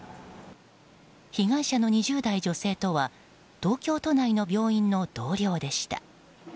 被害者の２０代女性とは東京都内の病院の同僚でした。